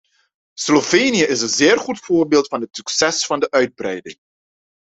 Slovenië is een zeer goed voorbeeld van het succes van de uitbreiding.